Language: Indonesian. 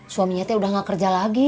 suaminya teh udah gak kerja lagi